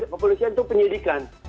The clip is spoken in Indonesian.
kalau di kepolisian itu penyidikan